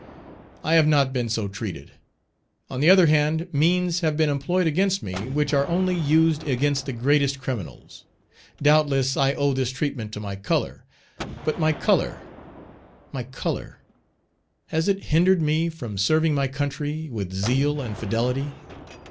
I have not been so treated; on the other hand, means have been employed against me which are only used against the greatest criminals. Doubtless, I owe this treatment to my color; but my color, my color, has it hindered me from serving my country with zeal and fidelity?